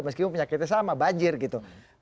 meskipun penyakitnya sama banjir gitu